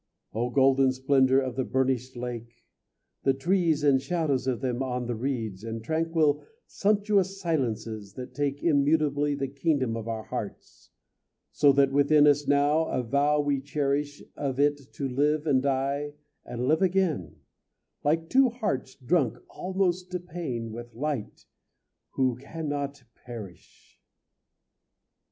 Oh golden splendour of the burnished lake, And trees and shadows of them on the reeds, And tranquil sumptuous silences That take Immutably the kingdom of our hearts, So that within us now a vow we cherish Of it to live and die and live again, Like two hearts drunk almost to pain With light, Who cannot perish!